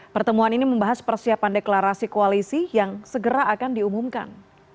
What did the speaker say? pertemuan ini membahas persiapan deklarasi koalisi yang segera akan diumumkan